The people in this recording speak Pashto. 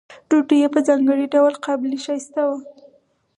ډوډۍ یې په ځانګړي ډول قابلي ښایسته وه.